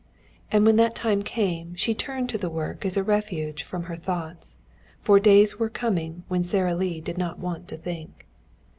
And when that time came she turned to the work as a refuge from her thoughts. For days were coming when Sara Lee did not want to think.